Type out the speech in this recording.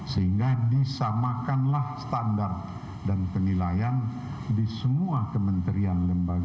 sehingga disamakanlah standar dan penilaian di semua kementerian lembaga